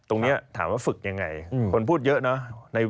ตรงนี้ถามว่าฝึกยังไงคนพูดเยอะเนอะ